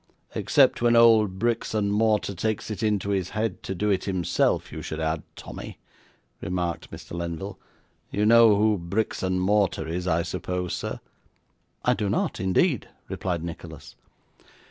'Except when old bricks and mortar takes it into his head to do it himself, you should add, Tommy,' remarked Mr. Lenville. 'You know who bricks and mortar is, I suppose, sir?' 'I do not, indeed,' replied Nicholas.